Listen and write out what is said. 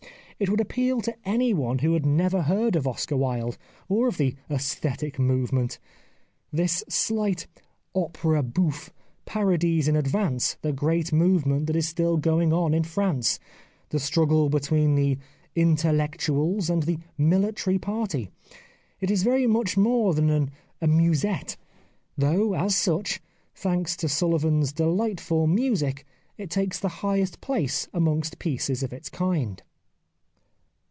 It would appeal to anyone who had never heard of Oscar Wilde or of the " aesthetic movement." This slight opera houffe parodies in advance the great movement that is still going on in France — the struggle between the intellectuels and the military party. It is very much more than an amusetfe, though as such, thanks to Sullivan's delightful music, it takes the highest place amongst pieces of its kind.